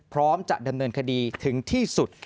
พร้อมจะดำเนินคดีถึงที่สุด